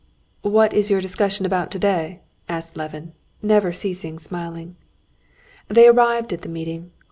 "What is your discussion about today?" asked Levin, never ceasing smiling. They arrived at the meeting.